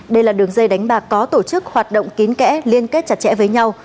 đây là đường dây đánh bạc có tổ chức hoạt động kín kẽ liên kết chặt chẽ với nhau